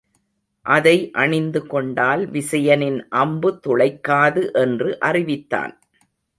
அதை அணிந்துகொண்டால் விசயனின் அம்பு துளைக்காது என்று அறிவித்தான்.